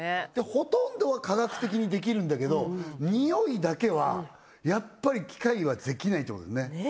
ほとんどは科学的にできるんだけど匂いだけはやっぱり機械はできないってことですね